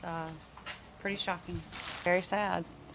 tapi semua orang berharap